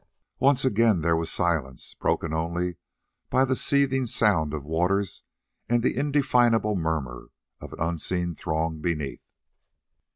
Once again there was silence, broken only by the seething sound of waters and the indefinable murmur of an unseen throng beneath.